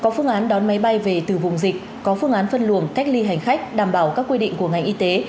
có phương án đón máy bay về từ vùng dịch có phương án phân luồng cách ly hành khách đảm bảo các quy định của ngành y tế